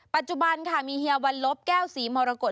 ปัจจุบันค่ะมีเฮียวันลบแก้วศรีมรกฏ